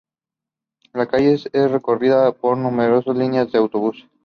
La calle es recorrida por numerosas líneas de autobús.